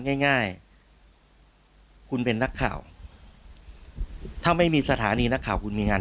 ง่ายง่ายคุณเป็นนักข่าวถ้าไม่มีสถานีนักข่าวคุณมีงาน